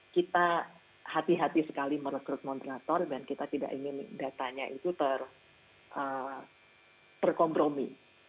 kita hati hati sekali merekrut moderator dan kita tidak ingin datanya itu terkompromi